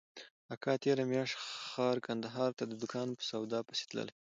اکا تېره مياشت ښار کندهار ته د دوکان په سودا پسې تللى و.